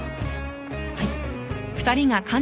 はい。